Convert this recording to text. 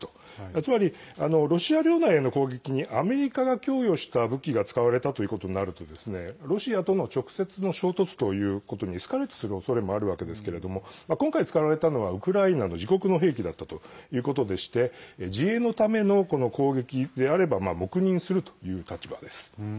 つまり、ロシア領内への攻撃にアメリカが供与した武器が使われたということになるとロシアとの直接の衝突ということにエスカレートするおそれもあるわけですけれども今回使われたのはウクライナの自国の兵器だったということで自衛のための攻撃であれば黙認するという立場です。